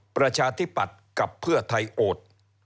ประชาธิปัตย์กับเพื่อไทยโอด